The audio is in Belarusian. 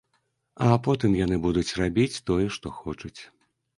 А потым яны будуць рабіць тое, што хочуць.